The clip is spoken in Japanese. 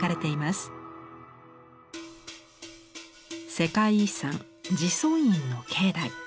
世界遺産慈尊院の境内。